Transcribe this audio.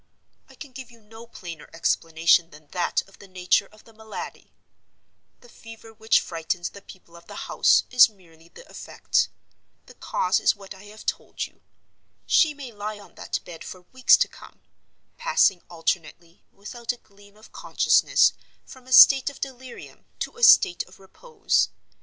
I can give you no plainer explanation than that of the nature of the malady. The fever which frightens the people of the house is merely the effect. The cause is what I have told you. She may lie on that bed for weeks to come; passing alternately, without a gleam of consciousness, from a state of delirium to a state of repose.